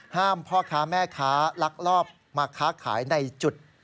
พ่อค้าแม่ค้าลักลอบมาค้าขายในจุด